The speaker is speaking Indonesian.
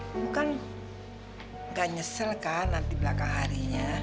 bukan gak nyesel kan nanti belakang harinya